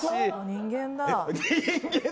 人間だ。